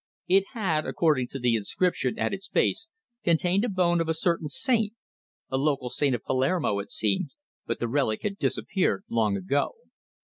It had, according to the inscription at its base, contained a bone of a certain saint a local saint of Palermo it seemed but the relic had disappeared long ago.